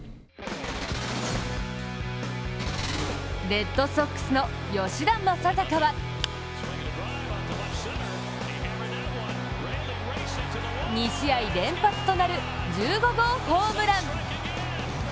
レッドソックスの吉田正尚は２試合連発となる１５号ホームラン！